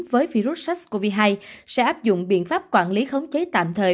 với virus sars cov hai sẽ áp dụng biện pháp quản lý khống chế tạm thời